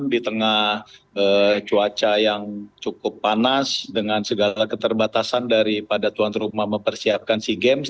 di tengah cuaca yang cukup panas dengan segala keterbatasan daripada tuan rumah mempersiapkan sea games